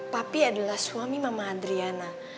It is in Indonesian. papi adalah suami mama adriana